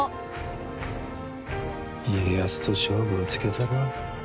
家康と勝負をつけたるわ。